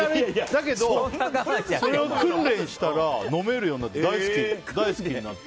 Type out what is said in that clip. だけど、それを訓練したら飲めるようになって大好きになった。